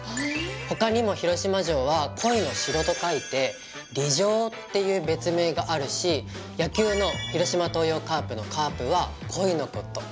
他にも広島城は「鯉の城」と書いて「鯉城」っていう別名があるし野球の広島東洋カープの「カープ」は「コイ」のこと。